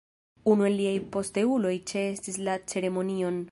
Unu el liaj posteuloj ĉeestis la ceremonion.